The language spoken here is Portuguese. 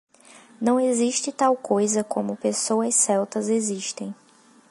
Não existe tal coisa como pessoas celtas existem.